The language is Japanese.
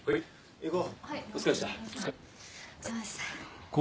行こう。